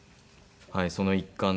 その一環で。